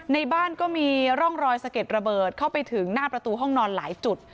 ในบ้านก็มีร่องรอยสะเก็ดระเบิดเข้าไปถึงหน้าประตูห้องนอนหลายจุด